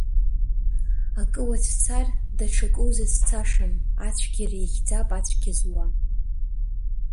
Акы уацәцар, даҽакы узацәцашам, ацәгьара ихьӡап ацәгьа зуа.